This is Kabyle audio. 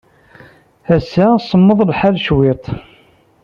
Ass-a, semmeḍ lḥal cwiṭ.